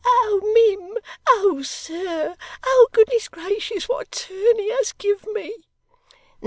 'Oh mim! Oh sir! Oh goodness gracious, what a turn he has give me!